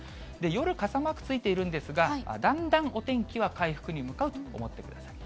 夜、傘マークついているんですが、だんだんお天気は回復に向かうと思ってください。